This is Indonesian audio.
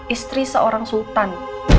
istri seorang sultan